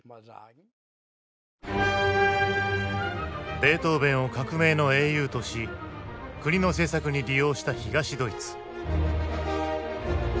ベートーヴェンを「革命の英雄」とし国の政策に利用した東ドイツ。